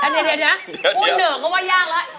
เดี๋ยวพูดเหนือก็ว่ายากแล้ว